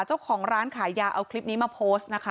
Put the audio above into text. เจ้าของร้านขายยาเอาคลิปนี้มาโพสต์นะคะ